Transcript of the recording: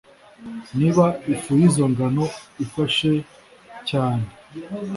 Niba ifu y’izo ngano ifashe cyane,